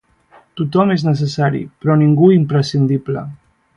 Tothom és necessari, però ningú imprescindible.